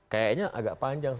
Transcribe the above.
kayaknya agak panjang